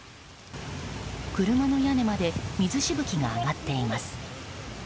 車の屋根まで水しぶきが上がっています。